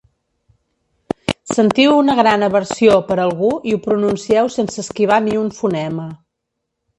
Sentiu una gran aversió per algú i ho pronuncieu sense esquivar ni un fonema.